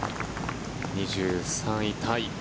２３位タイ。